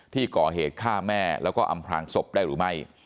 ที่ก่อเหตุฆ่าแม่แล้วก็อำพลางศพได้หรือไม่